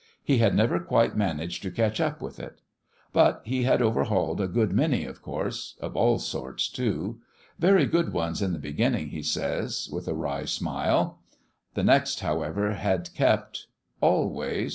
He had never quite managed to catch up with it. But he had overhauled a good many, of course of all sorts, too : very good ones in the beginning, he says, with a wry smile. The next, however, had kept ... always